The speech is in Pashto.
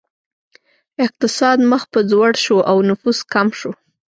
اقتصاد مخ په ځوړ شو او نفوس کم شو.